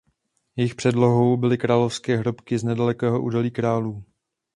Jejich předlohou byly královské hrobky z nedalekého Údolí králů.